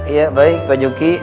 iya baik pak juki